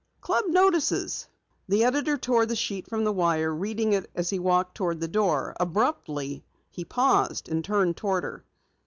"Club notices." The editor tore the sheet from the wire, reading it as he walked toward the door. Abruptly, he paused and turned toward her.